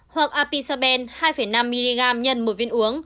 hoặc apisaben hai năm mg x một viên uống